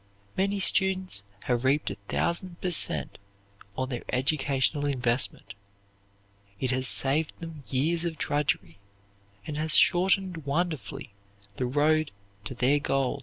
Many students have reaped a thousand per cent on their educational investment. It has saved them years of drudgery and has shortened wonderfully the road to their goal.